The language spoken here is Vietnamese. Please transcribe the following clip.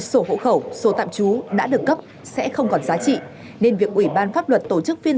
sổ hộ khẩu sổ tạm trú đã được cấp sẽ không còn giá trị nên việc ủy ban pháp luật tổ chức phiên